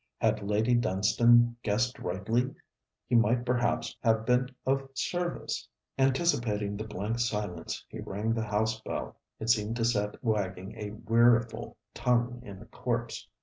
Had Lady Dunstane guessed rightly, he might perhaps have been of service! Anticipating the blank silence, he rang the house bell. It seemed to set wagging a weariful tongue in a corpse.